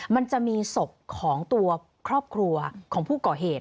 มันจะมีศพของตัวครอบครัวของผู้ก่อเหตุ